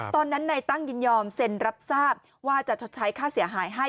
ตอนนั้นนายตั้งยินยอมเซ็นรับทราบว่าจะชดใช้ค่าเสียหายให้